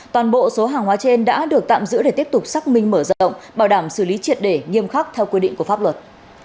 toàn bộ số hàng hóa trên đã được tạm giữ để tiếp tục xác minh mở rộng bảo đảm xử lý triệt để nghiêm khắc theo quy định của pháp luật